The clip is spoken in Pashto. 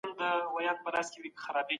که تاسو هدفونه مشخص کړئ، نو پرمختګ تضمین دی.